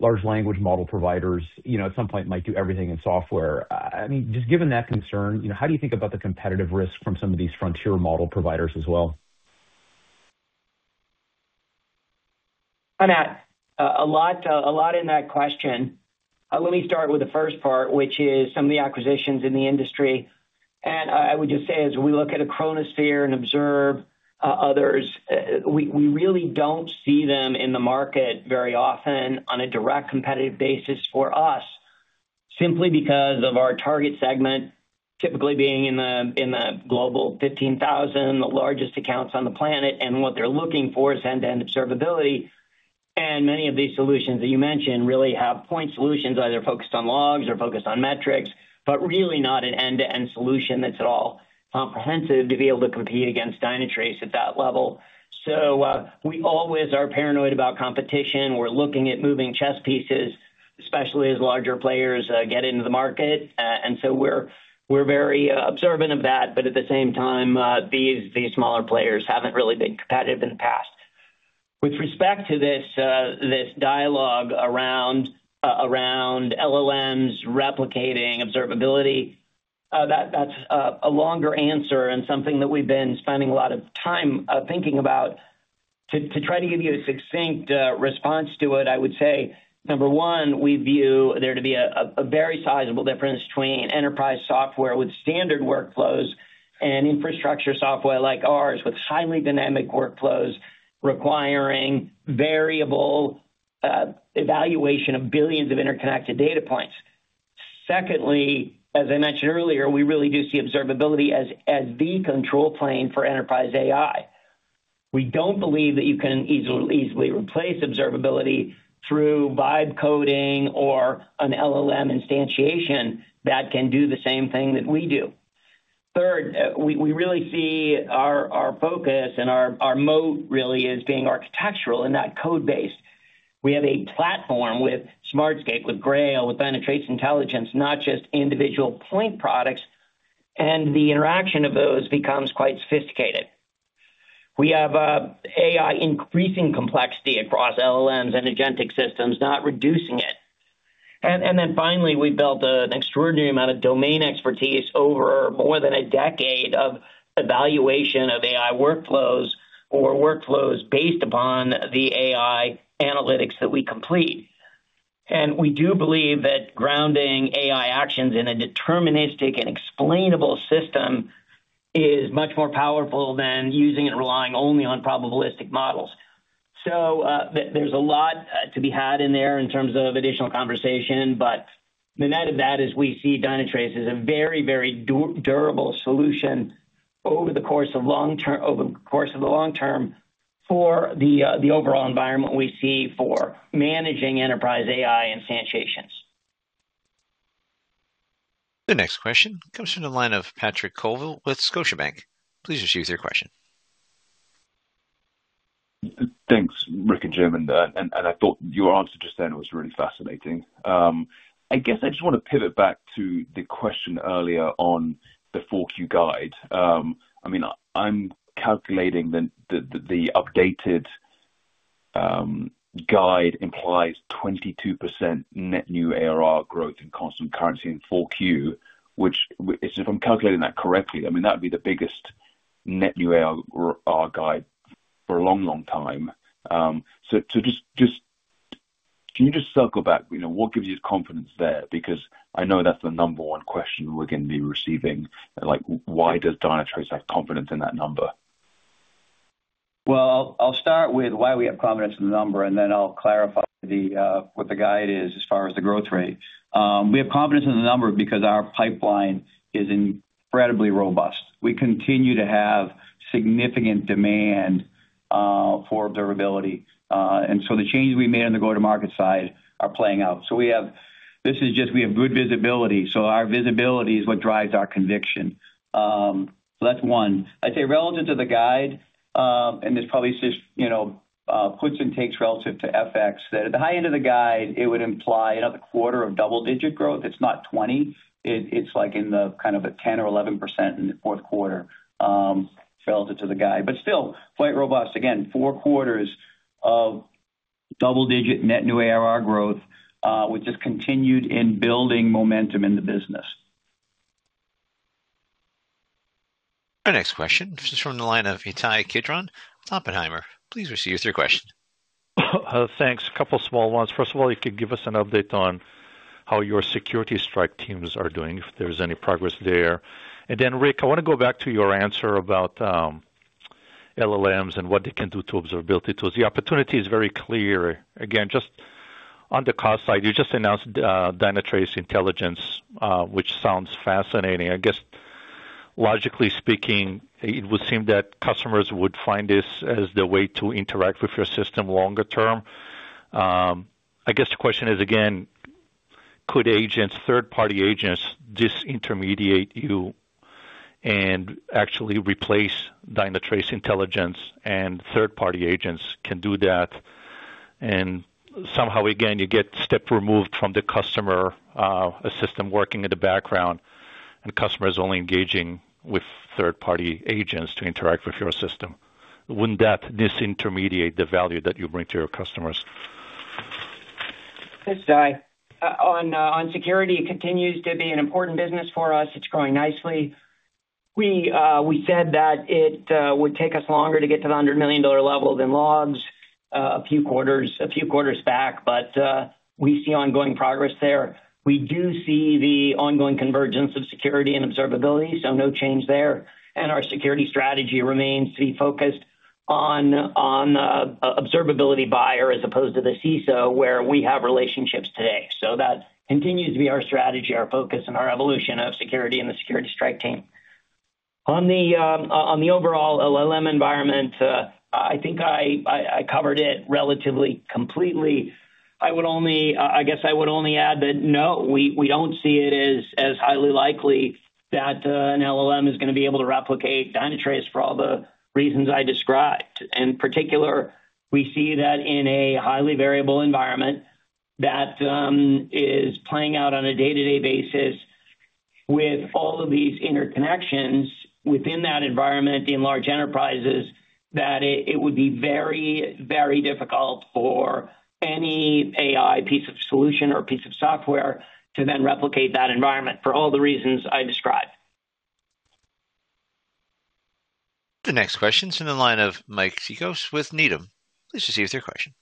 large language model providers, at some point, might do everything in software. I mean, just given that concern, how do you think about the competitive risk from some of these frontier model providers as well? Hi, Matt. A lot in that question. Let me start with the first part, which is some of the acquisitions in the industry. I would just say, as we look at Chronosphere and observe others, we really don't see them in the market very often on a direct competitive basis for us, simply because of our target segment typically being in the global 15,000, the largest accounts on the planet. What they're looking for is end-to-end observability. Many of these solutions that you mentioned really have point solutions, either focused on logs or focused on metrics, but really not an end-to-end solution that's at all comprehensive to be able to compete against Dynatrace at that level. So we always are paranoid about competition. We're looking at moving chess pieces, especially as larger players get into the market. And so we're very observant of that. But at the same time, these smaller players haven't really been competitive in the past. With respect to this dialogue around LLMs replicating observability, that's a longer answer and something that we've been spending a lot of time thinking about. To try to give you a succinct response to it, I would say, number one, we view there to be a very sizable difference between enterprise software with standard workflows and infrastructure software like ours with highly dynamic workflows requiring variable evaluation of billions of interconnected data points. Secondly, as I mentioned earlier, we really do see observability as the control plane for enterprise AI. We don't believe that you can easily replace observability through vibe coding or an LLM instantiation that can do the same thing that we do. Third, we really see our focus and our moat, really, as being architectural and not code-based. We have a platform with Smartscape, with Grail, with Dynatrace Intelligence, not just individual point products. And the interaction of those becomes quite sophisticated. We have AI increasing complexity across LLMs and agentic systems, not reducing it. And then finally, we've built an extraordinary amount of domain expertise over more than a decade of evaluation of AI workflows or workflows based upon the AI analytics that we complete. And we do believe that grounding AI actions in a deterministic and explainable system is much more powerful than using it and relying only on probabilistic models. So there's a lot to be had in there in terms of additional conversation. But the net of that is we see Dynatrace as a very, very durable solution over the course of long term over the course of the long term for the overall environment we see for managing enterprise AI instantiations. The next question comes from the line of Patrick Colville with Scotiabank. Please proceed with your question. Thanks, Rick and Jim. And I thought your answer just then was really fascinating. I guess I just want to pivot back to the question earlier on the 4Q guide. I mean, I'm calculating that the updated guide implies 22% net new ARR growth in constant currency in 4Q, which if I'm calculating that correctly, I mean, that would be the biggest net new ARR guide for a long, long time. So can you just circle back? What gives you confidence there? Because I know that's the number one question we're going to be receiving. Why does Dynatrace have confidence in that number? Well, I'll start with why we have confidence in the number, and then I'll clarify what the guide is as far as the growth rate. We have confidence in the number because our pipeline is incredibly robust. We continue to have significant demand for observability. And so the changes we made on the go-to-market side are playing out. So this is just we have good visibility. So our visibility is what drives our conviction. So that's one. I'd say relative to the guide, and this probably just puts and takes relative to FX, that at the high end of the guide, it would imply another quarter of double-digit growth. It's not 20. It's in the kind of a 10% or 11% in the fourth quarter relative to the guide. But still, quite robust. Again, four quarters of double-digit net new ARR growth with just continued in-building momentum in the business. The next question is from the line of Itai Kidron, Oppenheimer. Please proceed with your question. Thanks. A couple of small ones. First of all, if you could give us an update on how your security strike teams are doing, if there's any progress there. And then, Rick, I want to go back to your answer about LLMs and what they can do to observability tools. The opportunity is very clear. Again, just on the cost side, you just announced Dynatrace Intelligence, which sounds fascinating. I guess, logically speaking, it would seem that customers would find this as the way to interact with your system longer term. I guess the question is, again, could agents, third-party agents, disintermediate you and actually replace Dynatrace Intelligence? And third-party agents can do that. And somehow, again, you get stepped removed from the customer, a system working in the background, and customer is only engaging with third-party agents to interact with your system. Wouldn't that disintermediate the value that you bring to your customers? This is Rick. On security, it continues to be an important business for us. It's growing nicely. We said that it would take us longer to get to the $100 million level than logs a few quarters back. But we see ongoing progress there. We do see the ongoing convergence of security and observability. So no change there. And our security strategy remains to be focused on the observability buyer as opposed to the CISO, where we have relationships today. So that continues to be our strategy, our focus, and our evolution of security and the security strike team. On the overall LLM environment, I think I covered it relatively completely. I guess I would only add that, no, we don't see it as highly likely that an LLM is going to be able to replicate Dynatrace for all the reasons I described. In particular, we see that in a highly variable environment that is playing out on a day-to-day basis with all of these interconnections within that environment in large enterprises, that it would be very, very difficult for any AI piece of solution or piece of software to then replicate that environment for all the reasons I described. The next question is from the line of Mike Cikos with Needham. Please proceed with your question.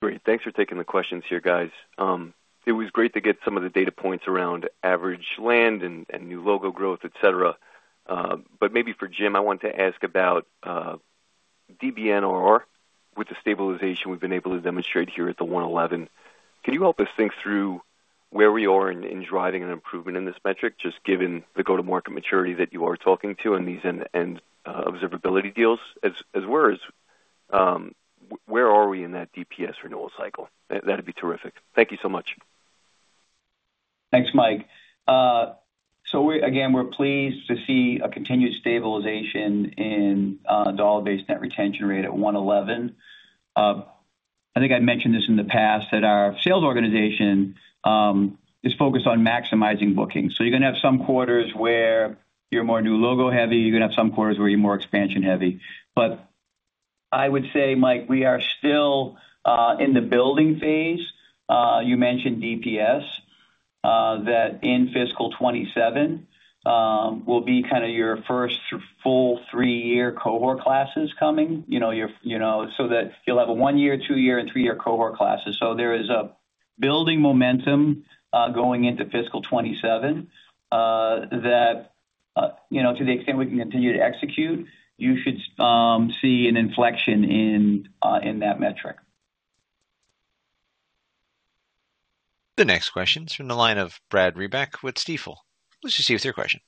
Great. Thanks for taking the questions here, guys. It was great to get some of the data points around average land and new logo growth, etc. But maybe for Jim, I wanted to ask about DBNRR with the stabilization we've been able to demonstrate here at the 111. Can you help us think through where we are in driving an improvement in this metric, just given the go-to-market maturity that you are talking to and these end-to-end observability deals as well? Where are we in that DPS renewal cycle? That would be terrific. Thank you so much. Thanks, Mike. So again, we're pleased to see a continued stabilization in dollar-based net retention rate at 111. I think I mentioned this in the past, that our sales organization is focused on maximizing bookings. So you're going to have some quarters where you're more new logo heavy. You're going to have some quarters where you're more expansion heavy. But I would say, Mike, we are still in the building phase. You mentioned DPS, that in fiscal 2027 will be kind of your first full three-year cohort classes coming so that you'll have a one-year, two-year, and three-year cohort classes. So there is a building momentum going into fiscal 2027 that, to the extent we can continue to execute, you should see an inflection in that metric. The next question is from the line of Brad Reback with Stifel. Please proceed with your question.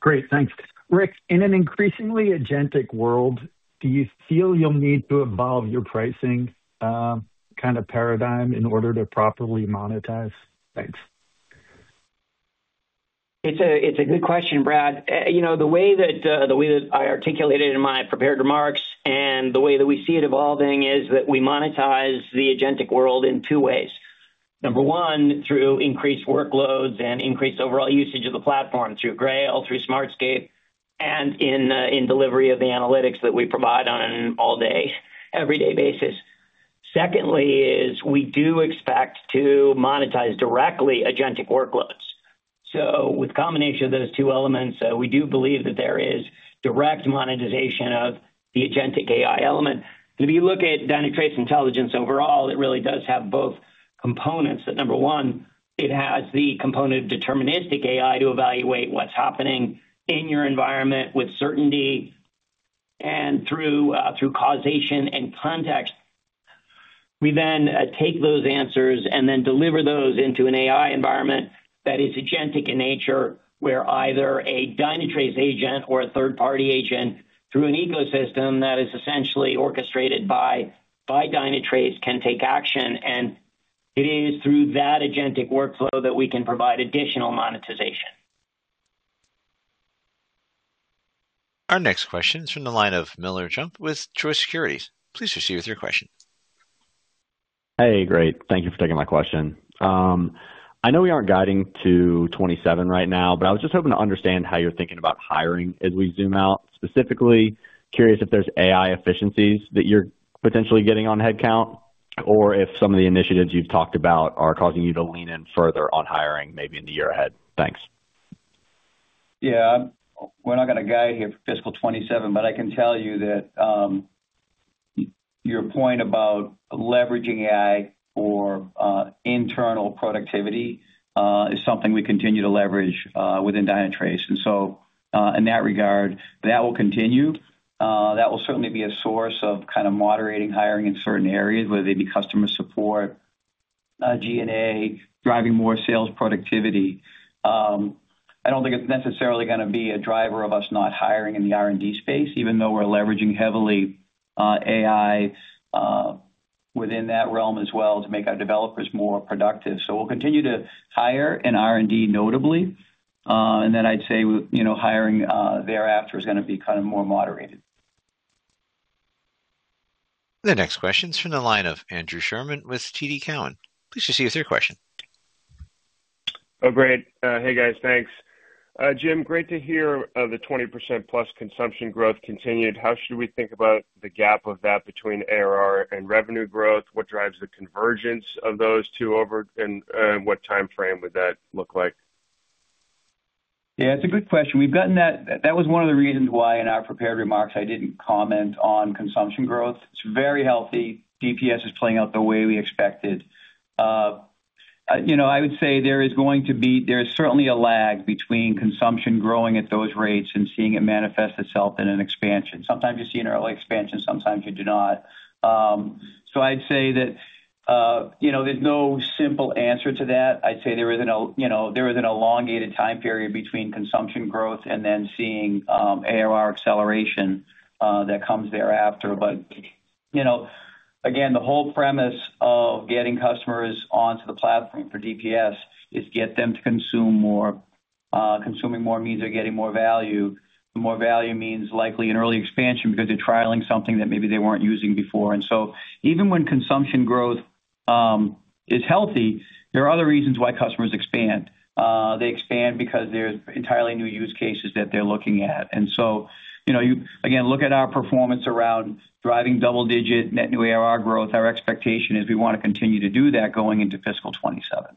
Great. Thanks. Rick, in an increasingly agentic world, do you feel you'll need to evolve your pricing kind of paradigm in order to properly monetize? Thanks. It's a good question, Brad. The way that I articulated in my prepared remarks and the way that we see it evolving is that we monetize the agentic world in two ways. Number 1, through increased workloads and increased overall usage of the platform through Grail, through Smartscape, and in delivery of the analytics that we provide on an all-day, everyday basis. Secondly is we do expect to monetize directly agentic workloads. So with a combination of those two elements, we do believe that there is direct monetization of the agentic AI element. And if you look at Dynatrace Intelligence overall, it really does have both components that, number 1, it has the component of deterministic AI to evaluate what's happening in your environment with certainty and through causation and context. We then take those answers and then deliver those into an AI environment that is agentic in nature, where either a Dynatrace agent or a third-party agent through an ecosystem that is essentially orchestrated by Dynatrace can take action. It is through that agentic workflow that we can provide additional monetization. Our next question is from the line of Miller Jump with Truist Securities. Please proceed with your question. Hey, great. Thank you for taking my question. I know we aren't guiding to 2027 right now, but I was just hoping to understand how you're thinking about hiring as we zoom out. Specifically, curious if there's AI efficiencies that you're potentially getting on headcount or if some of the initiatives you've talked about are causing you to lean in further on hiring maybe in the year ahead. Thanks. Yeah. We're not going to guide here for fiscal 2027, but I can tell you that your point about leveraging AI for internal productivity is something we continue to leverage within Dynatrace. And so in that regard, that will continue. That will certainly be a source of kind of moderating hiring in certain areas, whether they be customer support, G&A, driving more sales productivity. I don't think it's necessarily going to be a driver of us not hiring in the R&D space, even though we're leveraging heavily AI within that realm as well to make our developers more productive. So we'll continue to hire in R&D notably. And then I'd say hiring thereafter is going to be kind of more moderated. The next question is from the line of Andrew Sherman with TD Cowen. Please proceed with your question. Oh, great. Hey, guys. Thanks. Jim, great to hear the 20%-plus consumption growth continued. How should we think about the gap of that between ARR and revenue growth? What drives the convergence of those two over and what time frame would that look like? Yeah, it's a good question. That was one of the reasons why in our prepared remarks, I didn't comment on consumption growth. It's very healthy. DPS is playing out the way we expected. I would say there is certainly a lag between consumption growing at those rates and seeing it manifest itself in an expansion. Sometimes you see an early expansion. Sometimes you do not. So I'd say that there's no simple answer to that. I'd say there is an elongated time period between consumption growth and then seeing ARR acceleration that comes thereafter. But again, the whole premise of getting customers onto the platform for DPS is get them to consume more. Consuming more means they're getting more value. The more value means likely an early expansion because they're trialing something that maybe they weren't using before. Even when consumption growth is healthy, there are other reasons why customers expand. They expand because there's entirely new use cases that they're looking at. And so again, look at our performance around driving double-digit net new ARR growth. Our expectation is we want to continue to do that going into fiscal 2027.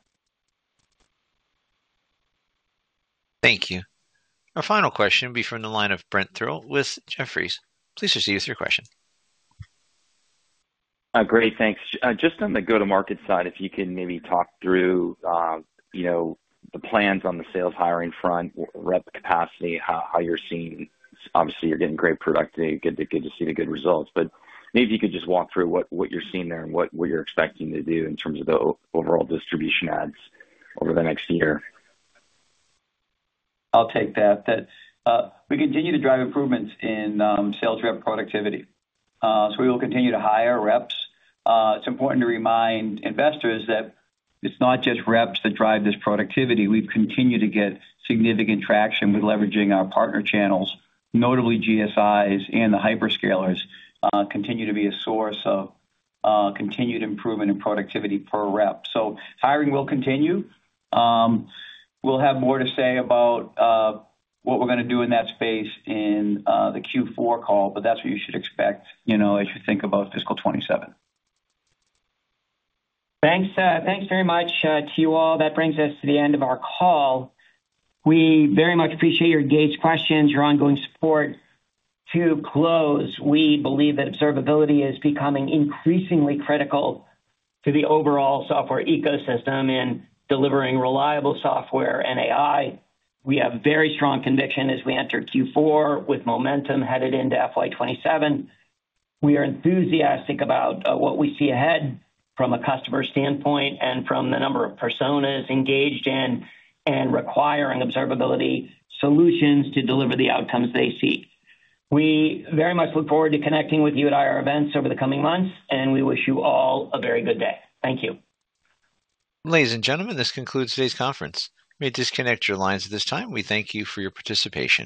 Thank you. Our final question will be from the line of Brent Thill with Jefferies. Please proceed with your question. Great. Thanks. Just on the go-to-market side, if you can maybe talk through the plans on the sales hiring front, rep capacity, how you're seeing obviously, you're getting great productivity. Good to see the good results. But maybe if you could just walk through what you're seeing there and what you're expecting to do in terms of the overall distribution adds over the next year. I'll take that. We continue to drive improvements in sales rep productivity. So we will continue to hire reps. It's important to remind investors that it's not just reps that drive this productivity. We've continued to get significant traction with leveraging our partner channels, notably GSIs and the hyperscalers, continue to be a source of continued improvement and productivity per rep. So hiring will continue. We'll have more to say about what we're going to do in that space in the Q4 call, but that's what you should expect as you think about fiscal 2027. Thanks. Thanks very much to you all. That brings us to the end of our call. We very much appreciate your engaged questions, your ongoing support. To close, we believe that observability is becoming increasingly critical to the overall software ecosystem in delivering reliable software and AI. We have very strong conviction as we enter Q4 with momentum headed into FY27. We are enthusiastic about what we see ahead from a customer standpoint and from the number of personas engaged in and requiring observability solutions to deliver the outcomes they seek. We very much look forward to connecting with you at IR events over the coming months, and we wish you all a very good day. Thank you. Ladies and gentlemen, this concludes today's conference. May disconnect your lines at this time. We thank you for your participation.